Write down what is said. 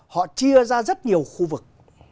họ chia ra rất nhiều khu vực